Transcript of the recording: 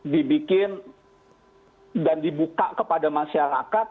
dibikin dan dibuka kepada masyarakat